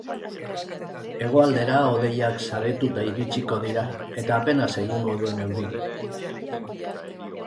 Hegoaldera hodeiak saretuta iritsiko dira eta apenas egingo duen euririk.